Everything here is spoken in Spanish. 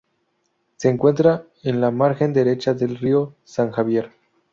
Se encuentra en la margen derecha del río San Javier.